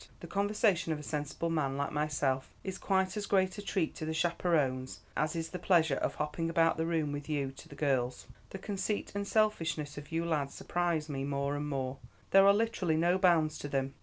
The conversation of a sensible man like myself is quite as great a treat to the chaperones as is the pleasure of hopping about the room with you to the girls. The conceit and selfishness of you lads surprise me more and more, there are literally no bounds to them.